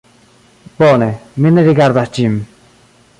Bone, mi ne rigardas ĝin